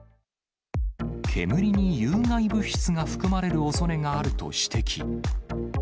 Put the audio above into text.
煙に有害物質が含まれるおそれがあると指摘。